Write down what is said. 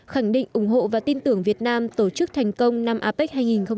khẳng định ủng hộ và tin tưởng việt nam tổ chức thành công năm apec hai nghìn hai mươi